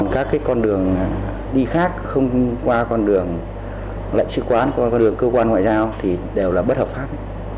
các cái con đường đi khác không qua con đường lệnh trực quán con đường cơ quan ngoại giao thì đều là bất hợp pháp